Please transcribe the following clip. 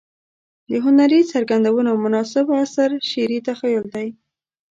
د هنري څرګندونو مناسب عنصر شعري تخيل دى.